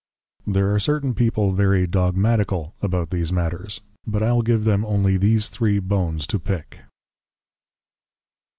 There are certain people very Dogmatical about these matters; but I'll give them only these three Bones to pick.